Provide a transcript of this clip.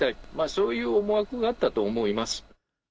そういう思惑があったと思います。